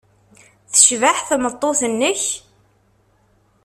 Tecbeḥ tmeṭṭut-nnek?